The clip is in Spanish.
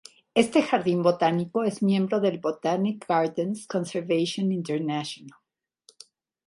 Este jardín botánico es miembro del Botanic Gardens Conservation International.